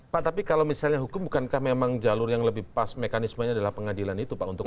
pak tapi kalau misalnya hukum bukankah memang jalur yang lebih pas mekanismenya adalah pengadilan itu pak untuk